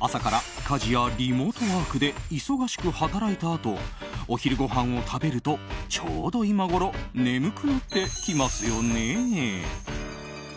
朝から家事やリモートワークで忙しく働いたあとお昼ごはんを食べるとちょうど今ごろ眠くなってきますよね。